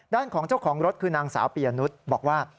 ด้านของเจ้าของรถคือนางสาวปียะนุษย์บอกว่า